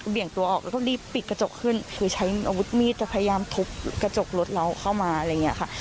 ตัวออกแล้วก็รีบปิดกระจกขึ้นคือใช้อาวุธมีดจะพยายามทุบกระจกรถเราเข้ามาอะไรอย่างเงี้ยค่ะ